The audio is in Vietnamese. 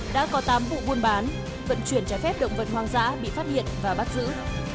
đã có tám vụ buôn bán vận chuyển trái phép động vật hoang dã bị phát hiện và bắt giữ